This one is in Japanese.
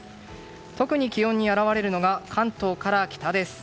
特に気温に表れるのが関東から北です。